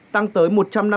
tăng tới một trăm năm mươi